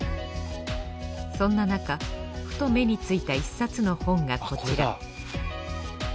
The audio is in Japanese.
そんななかふと目に付いた一冊の本がこちら。